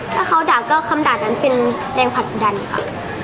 ถ้าเขาด่าก็คำด่านั้นเป็นแรงผลักดันค่ะ